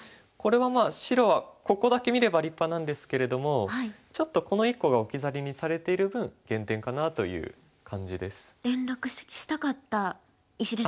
これはまあ白はここだけ見れば立派なんですけれどもちょっとこの１個が置き去りにされている分減点かなという感じです。